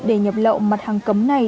để nhập lậu mặt hàng cấm này